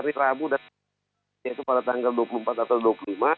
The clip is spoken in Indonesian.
kamu dan dhani yaitu pada tanggal dua puluh empat atau dua puluh lima